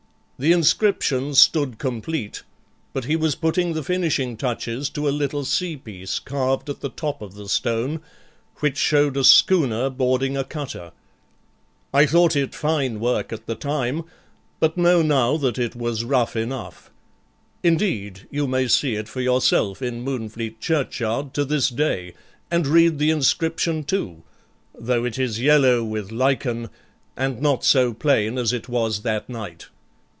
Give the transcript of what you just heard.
The inscription stood complete, but he was putting the finishing touches to a little sea piece carved at the top of the stone, which showed a schooner boarding a cutter. I thought it fine work at the time, but know now that it was rough enough; indeed, you may see it for yourself in Moonfleet churchyard to this day, and read the inscription too, though it is yellow with lichen, and not so plain as it was that night.